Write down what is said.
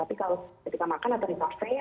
tapi kalau ketika makan atau di cafe